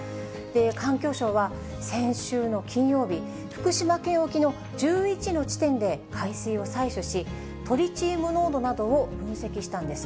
環境省は先週の金曜日、福島県沖の１１の地点で海水を採取し、トリチウム濃度などを分析したんです。